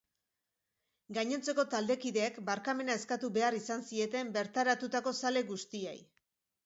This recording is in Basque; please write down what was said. Gainontzeko taldekideek barkamena eskatu behar izan zieten bertaratutako zale guztiei.